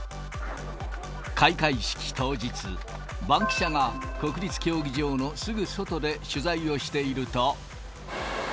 開会式当日、バンキシャが国立競技場のすぐ外で取材をしていると。